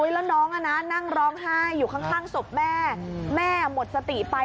แล้วน้องนั่งร้องไห้อยู่ข้างศพแม่แม่หมดสติไป